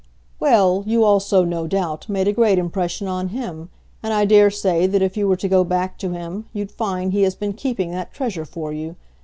"Well, you also, no doubt, made a great impression on him, and I dare say that if you were to go back to him you'd find he has been keeping that treasure for you.